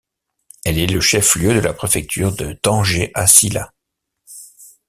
Elle est le chef-lieu de la préfecture de Tanger-Assilah.